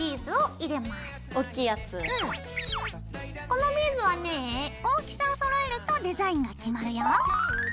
このビーズはねぇ大きさをそろえるとデザインが決まるよ。